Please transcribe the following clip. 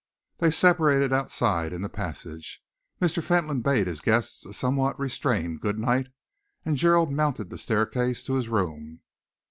They separated outside in the passage. Mr. Fentolin bade his guest a somewhat restrained good night, and Gerald mounted the staircase to his room.